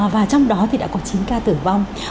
và trong đó thì đã có chín ca tử vong